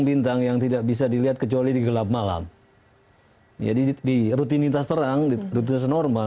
bintang yang tidak bisa dilihat kecuali digelap malam jadi di rutinitas terang di rutinitas normal